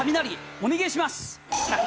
お願えします！